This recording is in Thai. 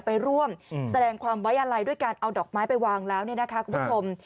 ไปร่วมแสดงความไว้อะไรด้วยการเอาดอกไม้ไปวางแล้วเนี่ยนะคะคุณผู้ชม